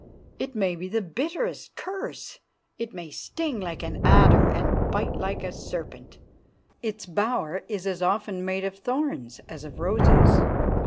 It may be the bitterest curse; it may sting like an adder and bite like a serpent. Its bower is as often made of thorns as of roses.